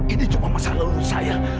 ini cuma masalah urus saya